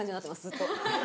ずっと。